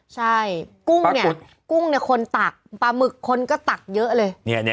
ใช่กุ้งเนี่ยคนตักปลาหมึกคนก็ตักเยอะเลย